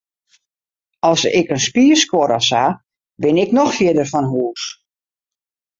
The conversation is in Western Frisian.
As ik in spier skuor of sa, bin ik noch fierder fan hûs.